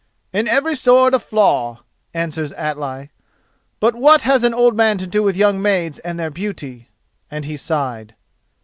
"In every sword a flaw," answers Atli; "but what has an old man to do with young maids and their beauty?" and he sighed.